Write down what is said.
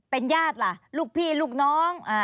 เป็นญาติล่ะลูกพี่ลูกน้อง